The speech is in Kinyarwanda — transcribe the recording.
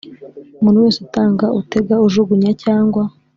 Umuntu wese utanga utega ujugunya cyangwa